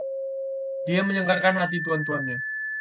Dia menyegarkan hati tuan-tuannya.